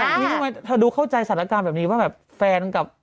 อะไรอย่างนี้ไหมนี่ทำไมถ้าดูเข้าใจสถานการณ์แบบนี้ว่าแบบแฟนกับ